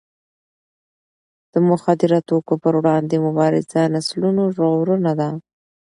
د مخدره توکو پر وړاندې مبارزه د نسلونو ژغورنه ده.